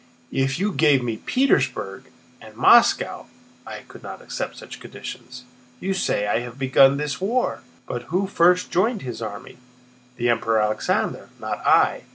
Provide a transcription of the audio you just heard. "If you gave me Petersburg and Moscow I could not accept such conditions. You say I have begun this war! But who first joined his army? The Emperor Alexander, not I!